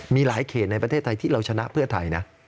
มีหลายเขตในประเทศไทยที่เราชนะเพื่อไทยนะ